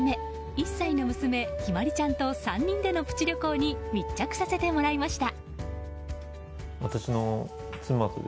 １歳の娘・日葵ちゃんと３人でのプチ旅行に密着させてもらいました。